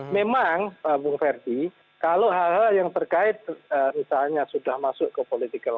memang bung ferdi kalau hal hal yang terkait misalnya sudah masuk ke political